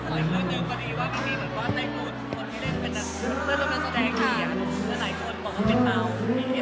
ก็ไม่ได้เตรียมอะไรกันค่ะ